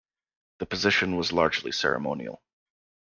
The position was largely ceremonial.